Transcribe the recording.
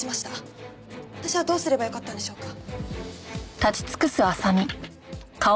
私はどうすればよかったんでしょうか？